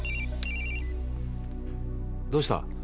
どうした？